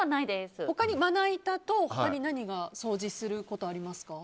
まな板と他に何が掃除することありますか？